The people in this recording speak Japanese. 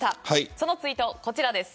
そのツイート、こちらです。